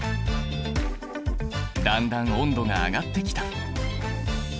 だんだん温度が上がってきた。